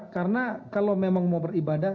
karena kalau memang mau beribadah